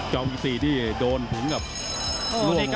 เจ้าอีก๔นี่โดนถึงกับล่วงลงไป